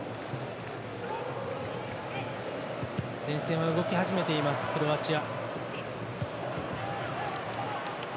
前線は動き始めていますクロアチア。